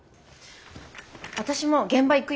私も現場行くよ。